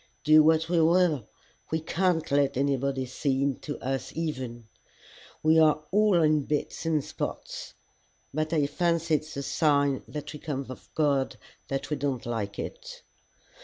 Do what we will, we can't let anybody see into us even. We are all in bits and spots. But I fancy it's a sign that we come of God that we don't like it.